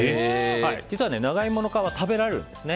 実は長イモの皮って食べられるんですね。